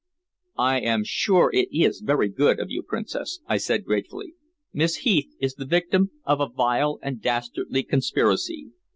"I am sure it is very good of you, Princess," I said gratefully. "Miss Heath is the victim of a vile and dastardly conspiracy.